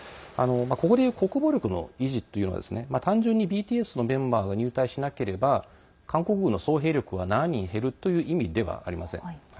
ここでいう国防力の維持というのは単純にＢＴＳのメンバーが入隊しなければ韓国軍の総兵力が７人減るという意味ではありません。